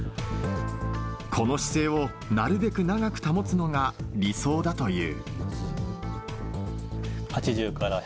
この姿勢をなるべく長く保つのが理想だという。